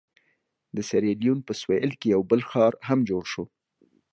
د سیریلیون په سوېل کې یو بل ښار هم جوړ شو.